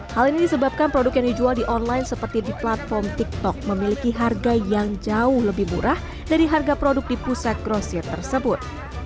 hal ini disebabkan produk yang dijual di online seperti di platform tiktok memiliki harga yang jauh lebih murah dari harga produk di pusat grosir tersebut